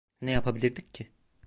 Ne yapabilirdik ki?